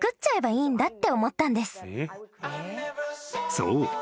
［そう。